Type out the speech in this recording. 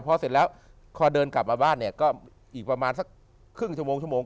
พอเสร็จแล้วพอเดินกลับมาบ้านเนี่ยก็อีกประมาณสักครึ่งชั่วโมงชั่วโมง